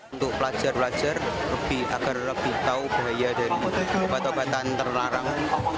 untuk pelajar pelajar agar lebih tahu bahaya dari obat obatan terlarang